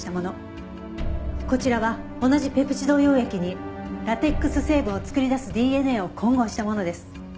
こちらは同じペプチド溶液にラテックス成分を作り出すＤＮＡを混合したものです。